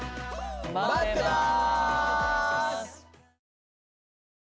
まってます！